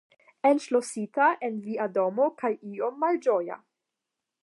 enŝlosita en via domo kaj iom malĝoja